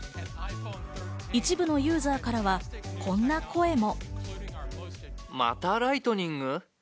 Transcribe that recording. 一部のユーザーからはこんな声も。